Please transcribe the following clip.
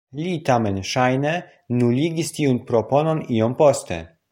Li tamen ŝajne nuligis tiun proponon iom poste.